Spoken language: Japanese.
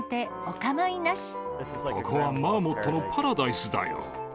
ここはマーモットのパラダイスだよ。